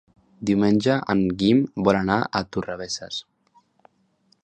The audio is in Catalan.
Diumenge en Guim vol anar a Torrebesses.